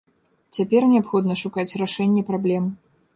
Цяпер неабходна шукаць рашэнне праблем.